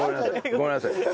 ごめんなさい。